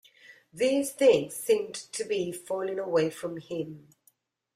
These things seemed to be falling away from him.